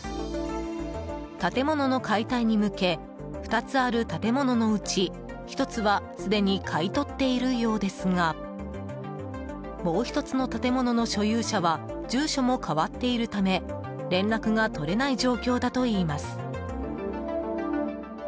建物の解体に向け２つある建物のうち１つは、すでに買い取っているようですがもう１つの建物の所有者は住所も変わっているため連絡が取れない状況だといいます。